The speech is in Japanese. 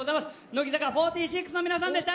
乃木坂４６の皆さんでした。